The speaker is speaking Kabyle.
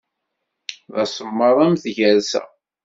D asemmaḍ am tgersa.